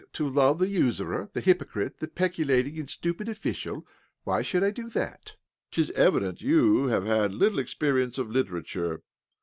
To love the usurer, the hypo crite, the peculating and stupid official? Why should I do that? 'Tis evident you have had little experience of literature